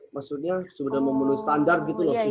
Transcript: maksudnya sudah memenuhi standar gitu loh sudah bagus